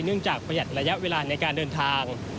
จากประหยัดระยะเวลาในการเดินทาง